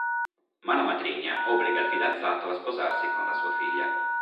Ma la matrigna obbliga il fidanzato a sposarsi con la sua figlia.